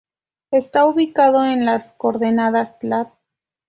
Está ubicado en las coordenadas Lat.